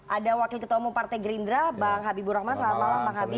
ada wakil ketua umum partai gerindra bang habibur rahman selamat malam bang habib